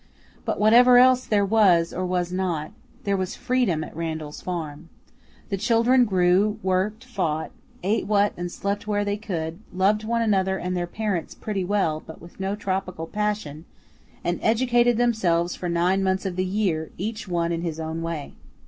But whatever else there was or was not, there was freedom at Randall's farm. The children grew, worked, fought, ate what and slept where they could; loved one another and their parents pretty well, but with no tropical passion; and educated themselves for nine months of the year, each one in his own way.